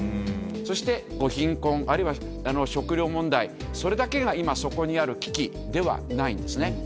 そして、貧困、あるいは食糧問題、それだけが今、そこにある危機ではないんですね。